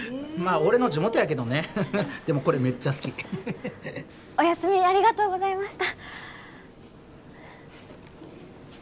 俺の地元やけどねでもこれめっちゃ好きお休みありがとうございました